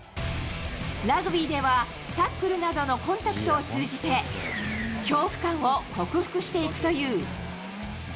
ラグビーでは、タックルなどのコンタクトを通じて、恐怖感を克服していくという。